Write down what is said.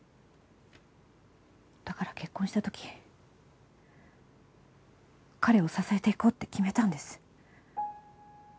だから結婚した時彼を支えていこうって決めたんです。